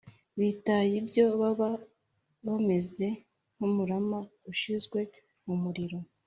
Bitaye ibyo baba bameze nk’umurama ushyizwe mu muriro.